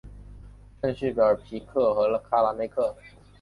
圣叙尔皮克和卡梅拉克。